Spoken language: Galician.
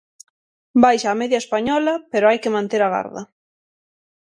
Baixa a media española pero hai que manter a garda.